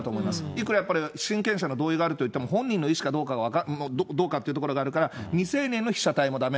いくらやっぱり親権者の同意があるといっても、本人の意思がどうかっていうところがあるから、未成年の被写体もだめ。